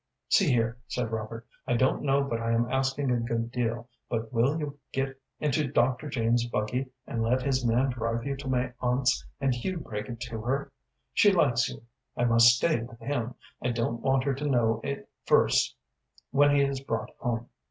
"See here," said Robert, "I don't know but I am asking a good deal, but will you get into Dr. James's buggy, and let his man drive you to my aunt's, and you break it to her? She likes you. I must stay with him. I don't want her to know it first when he is brought home."